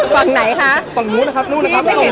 ฝั่งไหนคระฝั่งนู้นนี้ครับ